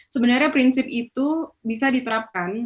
sebenarnya prinsip itu bisa diterapkan